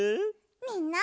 みんな！